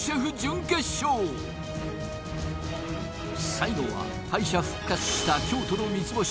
最後は敗者復活した京都の三つ星